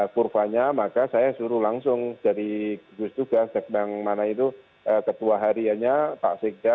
kurvanya maka saya suruh langsung dari kudus tugas dekbang mana itu ketua harianya pak sigda